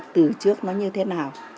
từ trước nó như thế nào